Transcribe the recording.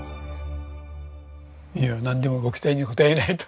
いやなんでもご期待に応えないと。